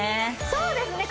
そうですね